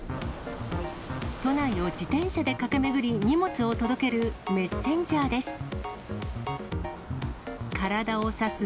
都内を自転車で駆け巡り、荷物を届けるメッセンジャーです。